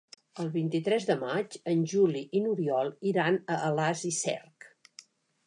El vint-i-tres de maig en Juli i n'Oriol iran a Alàs i Cerc.